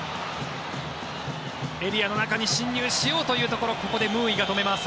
エリアの中に進入しようというところここでムーイが止めます。